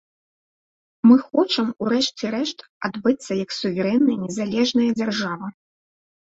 Мы хочам, у рэшце рэшт, адбыцца як суверэнная незалежная дзяржава.